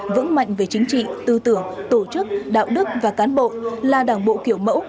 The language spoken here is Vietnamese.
vững mạnh về chính trị tư tưởng tổ chức đạo đức và cán bộ là đảng bộ kiểu mẫu